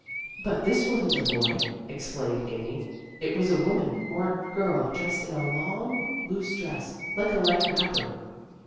" But this wasn't a boy," explained Amy. " It was a woman, or a girl, dressed hi a long, loose dress, like a light wrapper."